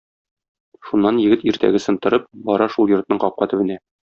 Шуннан егет иртәгесен торып, бара шул йортның капка төбенә.